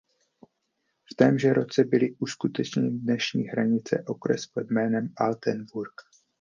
V témže roce byly ustanoveny dnešní hranice okres pod jménem "Altenburg".